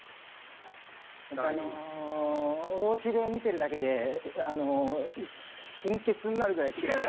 あのおうちで見てるだけで貧血になるぐらい嫌い。